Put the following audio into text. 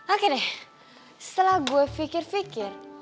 oke deh setelah gue fikir fikir